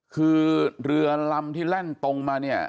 คือเรือลำที่แล่นตรงมาเนี่ย